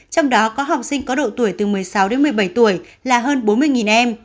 trong đó có học sinh có độ tuổi từ một mươi sáu đến một mươi bảy tuổi là hơn bốn mươi em